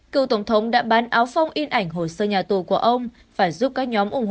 cựu tổng thống đã bán áo phong in ảnh hồ sơ nhà tù của ông